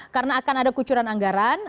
karena akan ada kucuran anggaran